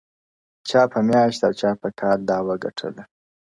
چا په میاشت او چا په کال دعوه ګټله -